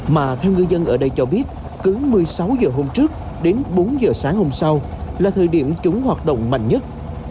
mà theo ngư dân ở đây cho biết cứ một mươi sáu h hôm trước đến bốn h sáng hôm sau là thời điểm chúng hoạt động mạnh nhất